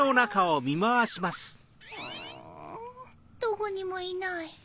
うんどこにもいない。